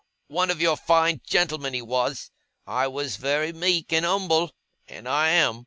'One of your fine gentlemen he was! I was very meek and umble and I am.